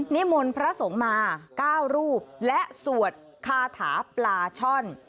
นิมนต์พระสงฆ์มา๙รูปและสวดคาถาปลาช่อน